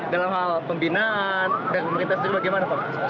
dalam hal pembinaan dari pemerintah sendiri bagaimana pak